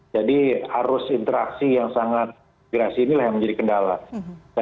jadi harus interaksi yang sangat terintegrasi ini yang menjadi kendala